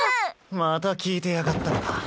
また聞いてやがったのか。